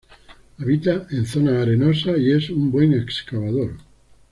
Habita en zonas arenosas, y es un buen excavador.